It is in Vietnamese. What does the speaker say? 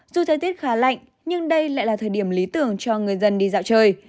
dù thời tiết khá lạnh nhưng đây lại là thời điểm lý tưởng cho người dân đi dạo chơi